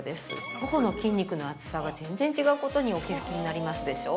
頬の筋肉の厚さが全然違うことにお気づきになりますでしょう。